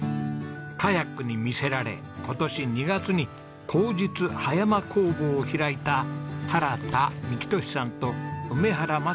カヤックに魅せられ今年２月に好日葉山工房を開いた原田幹寿さんと梅原雅士さんが主人公です。